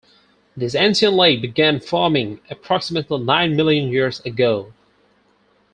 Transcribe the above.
This ancient lake began forming approximately nine million years ago.